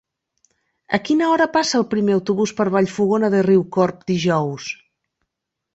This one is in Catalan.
A quina hora passa el primer autobús per Vallfogona de Riucorb dijous?